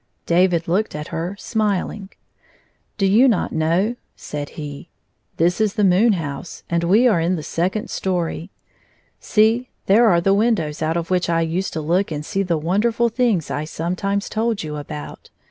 David looked at her, smiling. " Do you not know?" said he. "This is the moon house,. and we are in the second story. See, there are the windows out of which I used to look and see the wonderful things I sometimes told you about.